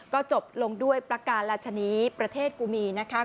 ก็จบลงด้วยประการราชนีประเทศกุมีนะคะ